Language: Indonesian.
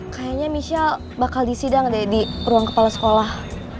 kayanya misal bakal disidang deh di ruang kepala sekolah